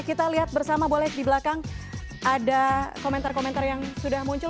kita lihat bersama boleh di belakang ada komentar komentar yang sudah muncul